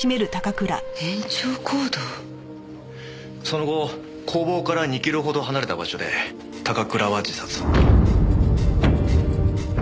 その後工房から２キロほど離れた場所で高倉は自殺。